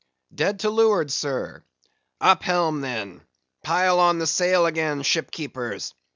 "Dead to leeward, sir." "Up helm, then; pile on the sail again, ship keepers!